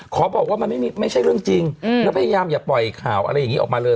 ขอบอกว่ามันไม่ใช่เรื่องจริงแล้วพยายามอย่าปล่อยข่าวอะไรอย่างนี้ออกมาเลย